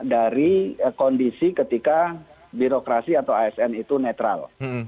dari kondisi ketika birokrasi atau asn itu netral